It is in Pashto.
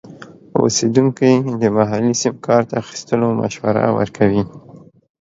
اوسیدونکي د محلي سیم کارت اخیستلو مشوره ورکوي.